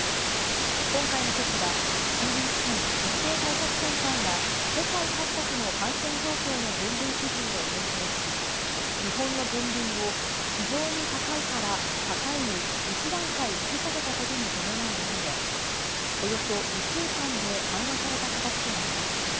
今回の措置は、ＣＤＣ・疾病対策センターが世界各国の感染状況の分類基準を変更し、日本の分類を非常に高いから高いに１段階引き下げたことに伴うもので、およそ２週間で緩和された形となります。